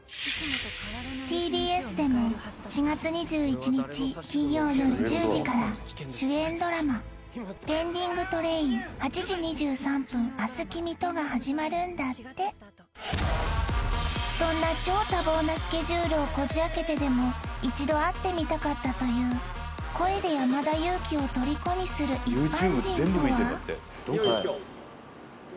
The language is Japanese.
ＴＢＳでも４月２１日金曜よる１０時から主演ドラマ「ＰｅｎｄｉｎｇＴｒａｉｎ−８時２３分、明日君と」が始まるんだってそんな超多忙なスケジュールをこじ開けてでも一度会ってみたかったという声で山田裕貴をとりこにする一般人とは？